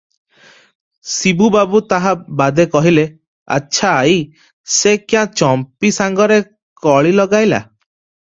ଶିବୁ ବାବୁ ତାହା ବାଦେ କହିଲେ, "ଆଚ୍ଛା ଆଈ, ସେ କ୍ୟାଁ ଚମ୍ପୀ ସାଙ୍ଗରେ କଳି ଲଗାଇଲା?